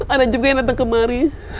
ada juga yang datang kemari